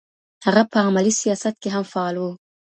هغه په عملي سياست کې هم فعال و.